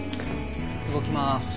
動きます。